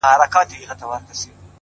ته یې په مسجد او درمسال کي کړې بدل’